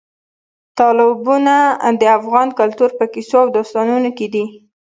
تالابونه د افغان کلتور په کیسو او داستانونو کې دي.